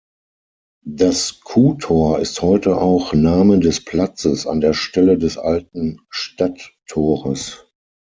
Das Kuhtor ist heute auch Name des Platzes an der Stelle des alten Stadttores.